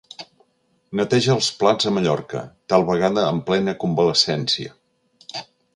Neteja els plats a Mallorca, tal vegada en plena convalescència.